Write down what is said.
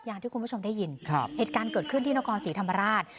อย่างที่คุณผู้ชมได้ยินเหตุการณ์เกิดขึ้นที่นครศรีธรรมราช